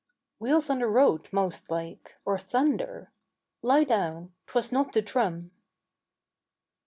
"Wheels on the road most like, or thunder: Lie down; 'twas not the drum.